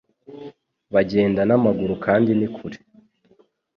bagenda n'amaguru kandi ni kure